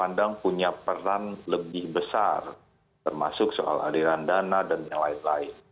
pandang punya peran lebih besar termasuk soal aliran dana dan yang lain lain